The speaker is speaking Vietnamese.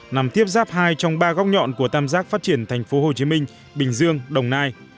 nằm tiếp giáp hai trong ba góc nhọn của tam giác phát triển tp hcm bình dương đồng nai